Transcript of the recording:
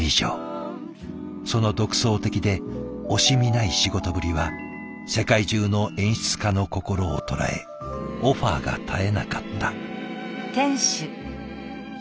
その独創的で惜しみない仕事ぶりは世界中の演出家の心を捉えオファーが絶えなかった。